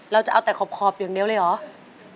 เราจะเอาแต่ขอบอย่างเดียวเลยเหรอ